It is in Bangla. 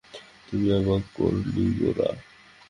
তুই অবাক করলি গোরা!